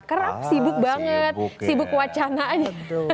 karena sibuk banget sibuk wacana aja